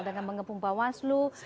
dengan mengepung mbak waslu